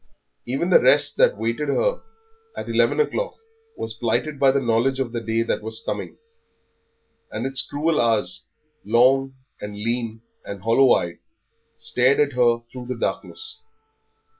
Even the rest that awaited her at eleven o'clock was blighted by the knowledge of the day that was coming; and its cruel hours, long and lean and hollow eyed, stared at her through the darkness.